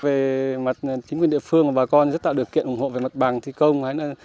về mặt chính quyền địa phương và bà con rất tạo điều kiện ủng hộ về mặt bằng thi công